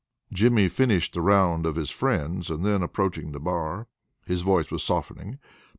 Jimmy finished the round of his friends, and then approached the bar. His voice was softening.